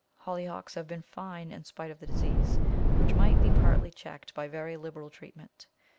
] Hollyhocks have been fine, in spite of the disease, which may be partly checked by very liberal treatment.